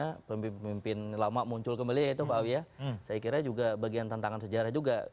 nah kalau pak amin itu pemimpin lama muncul kembali ya itu pak awi ya saya kira juga bagian tantangan sejarah juga